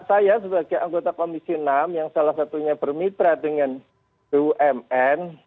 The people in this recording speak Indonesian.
saya sebagai anggota komisi enam yang salah satunya bermitra dengan bumn